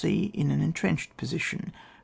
^. In an entrenched posi tion. 5.